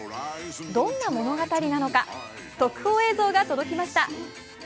どんな物語なのか、特報映像が届きました。